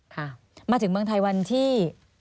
ค่ะมาถึงเมืองไทยวันที่